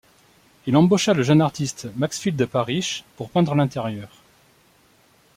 Il embaucha le jeune artiste Maxfield Parrish pour peindre l'intérieur.